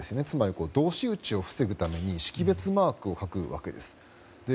つまり同士討ちを防ぐために識別マークを付けるわけです。